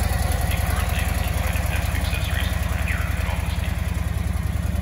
He currently has a line of desk accessories and furniture at Office Depot.